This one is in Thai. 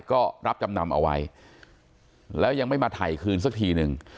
ก็รับจำนำเอาไว้แล้วยังไม่มาถ่ายคืนสักทีนึง